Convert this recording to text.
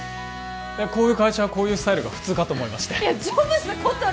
こういう会社はこういうスタイルが普通かと思いましてジョブズ小鳥